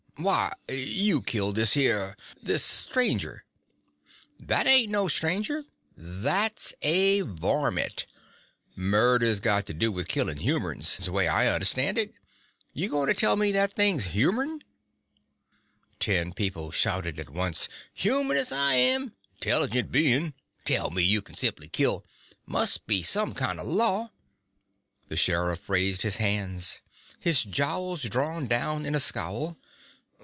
"Why, you killed this here ... this stranger." "That ain't no stranger. That's a varmint. Murder's got to do with killin' humerns, way I understand it. You goin' to tell me that thing's humern?" Ten people shouted at once: " human as I am!" " intelligent being!" " tell me you can simply kill "" must be some kind of law " The sheriff raised his hands, his jowls drawn down in a scowl.